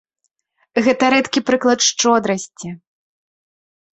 Гэта рэдкі прыклад шчодрасці.